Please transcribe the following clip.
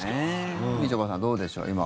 みちょぱさんどうでしょう。